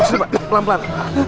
sini pak pelan pelan